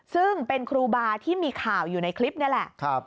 ซึ่งเป็นครูบาที่มีข่าวอยู่ในคลิปนี่แหละ